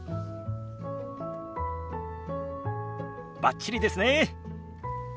バッチリですね。